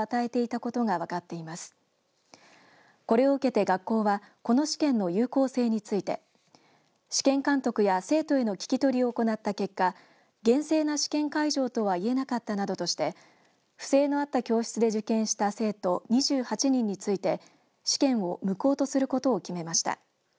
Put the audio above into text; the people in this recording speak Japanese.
これを受けて学校はこの試験の有効性について試験監督や生徒への聞き取りを行った結果厳正な試験会場とは言えなかったなどとして不正のあった教室で受験した生徒２８人について試験を無効とすることを決めました。